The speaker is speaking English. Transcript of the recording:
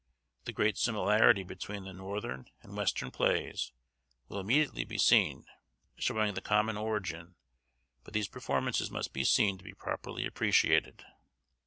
The great similarity between the northern and western plays will immediately be seen, showing the common origin; but these performances must be seen to be properly appreciated.